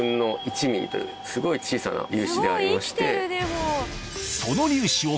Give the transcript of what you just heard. すごい小さな粒子でありまして。